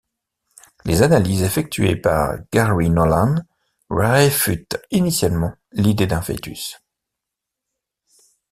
Les analyses effectuées par Gary Nolan réfutent initialement l'idée d'un fœtus.